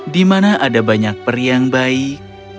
di mana ada banyak peri yang baik